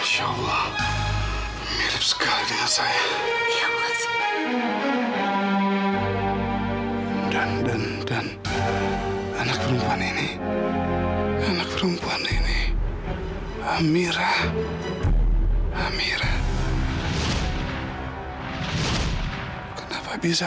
sampai jumpa di video selanjutnya